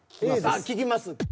聞きます。